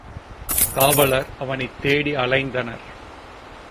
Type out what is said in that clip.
காவலர் அவனைத் தேடி அலைந்தனர்.